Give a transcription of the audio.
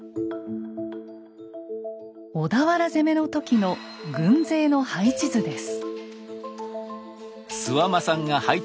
小田原攻めの時の軍勢の配置図です。